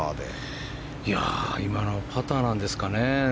今のパターなんですかね。